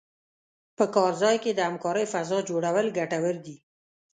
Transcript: په کار ځای کې د همکارۍ فضا جوړول ګټور دي.